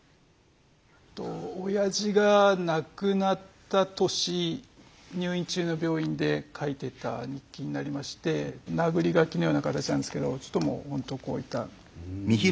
おやじが亡くなった年入院中の病院で書いてた日記になりましてなぐり書きのような形なんですけどほんとこういった。